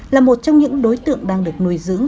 là một trong những đối tượng đang được nuôi dưỡng